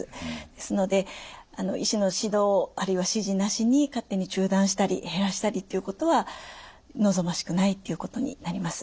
ですので医師の指導あるいは指示なしに勝手に中断したり減らしたりっていうことは望ましくないっていうことになります。